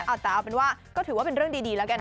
เอาแต่เอาเป็นว่าก็ถือว่าเป็นเรื่องดีแล้วกันนะ